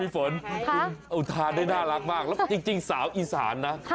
ฝนคุณอุทานได้น่ารักมากแล้วจริงสาวอีสานนะ